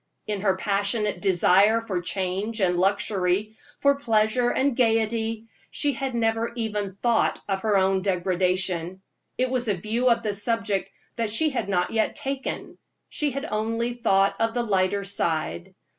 In her passionate desire for change and luxury, for pleasure and gayety, she had never even thought of her own degradation; it was a view of the subject that she had not yet taken; she had only thought of the lighter side.